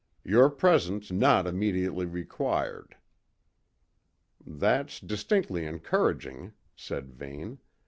Your presence not immediately required.'" "That's distinctly encouraging," said Vane.